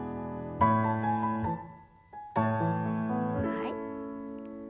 はい。